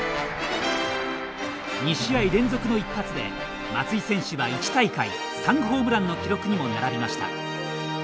２試合連続の１発で、松井選手は１大会３ホームランの記録にも並びました。